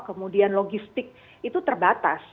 kemudian logistik itu terbatas